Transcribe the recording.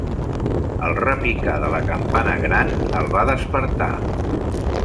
El repicar de la campana gran el va despertar.